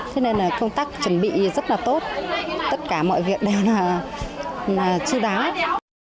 thế nên công tác chuẩn bị rất tốt tất cả mọi việc đều là chư đáng